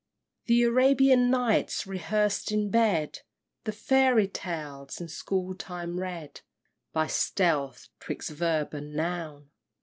XIV. The Arabian Nights rehearsed in bed! The Fairy Tales in school time read, By stealth, 'twixt verb and noun!